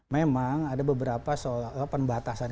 memang ada beberapa pembatasan